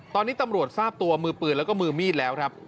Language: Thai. ตอนนี้ตำรวจทราบตัวมือปืนแล้วก็มือมีดแล้วครับ